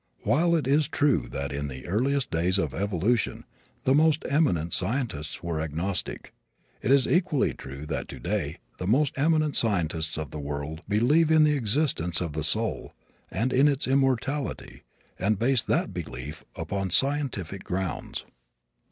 While it is true that in the earliest days of evolution the most eminent scientists were agnostic, it is equally true that today the most eminent scientists of the world believe in the existence of the soul, and in its immortality, and base that belief upon scientific grounds.